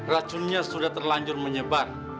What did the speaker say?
racunnya sudah terlanjur menyebar